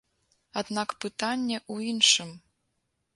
Аднак пытанне ў іншым.